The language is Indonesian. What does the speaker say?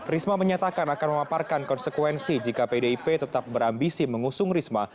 risma menyatakan akan memaparkan konsekuensi jika pdip tetap berambisi mengusung risma